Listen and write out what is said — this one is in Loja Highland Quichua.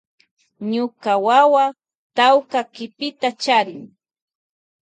Ñuka wawa charin tawka kipita.